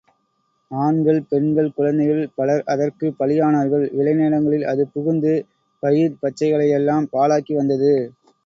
ஆண்கள், பெண்கள், குழந்தைகள் பலர் அதற்குப் பலியானார்கள் விளைநிலங்களில் அது புகுந்து, பயிர்பச்சைகளையெல்லாம் பாழாக்கி வந்தது.